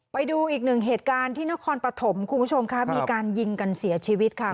ไปดูอีกหนึ่งเหตุการณ์ที่นครปฐมคุณผู้ชมค่ะมีการยิงกันเสียชีวิตค่ะ